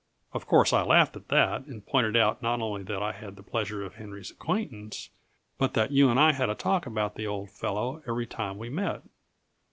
Of course I laughed at that, and pointed out not only that I had the pleasure of Henry's acquaintance, but that you and I had a talk about the old fellow every time we met.